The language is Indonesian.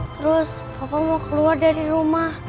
terus bapak mau keluar dari rumah